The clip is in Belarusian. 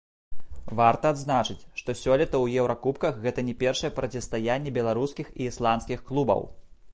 Варта адзначыць, што сёлета ў еўракубках гэта не першае процістаянне беларускіх і ісландскіх клубаў.